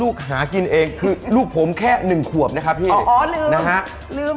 ลูกหากินเองคือลูกผมแค่๑ขวบนะครับพี่อ๋อเดิม